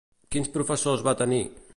Quins professors va tenir?